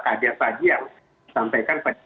kader yang disampaikan pada